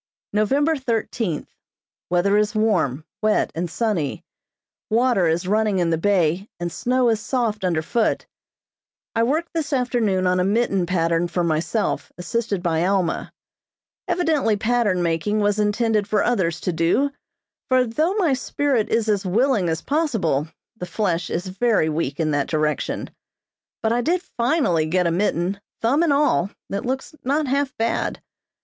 November thirteenth: Weather is warm, wet, and sunny. Water is running in the bay and snow is soft under foot. I worked this afternoon on a mitten pattern for myself, assisted by Alma. Evidently pattern making was intended for others to do, for though my spirit is as willing as possible, the flesh is very weak in that direction; but I did finally get a mitten, thumb and all, that looks not half bad.